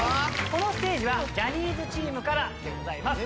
このステージはジャニーズチームからです。